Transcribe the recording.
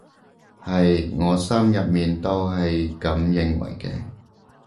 係，我心入面都係噉認為嘅